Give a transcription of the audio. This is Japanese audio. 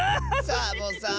サボさん！